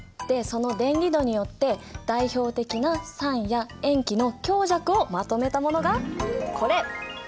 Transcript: でその電離度によって代表的な酸や塩基の強弱をまとめたものがこれ！